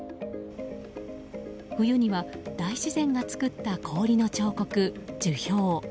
冬には、大自然が作った氷の彫刻、樹氷。